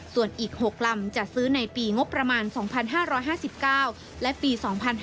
ส่วนอีก๖ลำจัดซื้อในปีงบประมาณ๒๕๕๙และปี๒๕๕๙